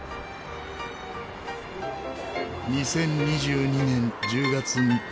２０２２年１０月３日。